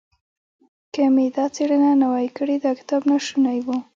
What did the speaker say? که مې دا څېړنه نه وای کړې دا کتاب ناشونی و.